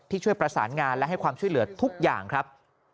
ช่วยประสานงานและให้ความช่วยเหลือทุกอย่างครับ